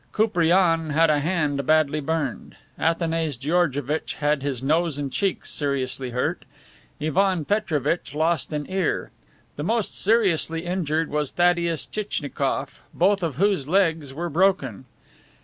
Koupriane had a hand badly burned, Athanase Georgevitch had his nose and cheeks seriously hurt, Ivan Petrovitch lost an ear; the most seriously injured was Thaddeus Tchitchnikoff, both of whose legs were broken.